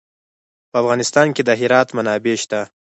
په افغانستان کې د هرات منابع شته.